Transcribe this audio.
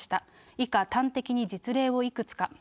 以下、端的に実例をいくつか。